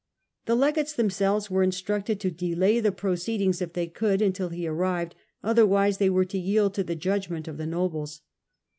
The legates themselves were instructed to delay the proceedings, if they could, until he arrived, otherwise they were to yield to the judgment of the nobles.